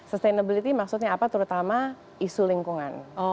sustainability maksudnya apa terutama isu lingkungan